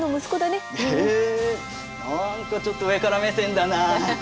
え何かちょっと上から目線だなあ。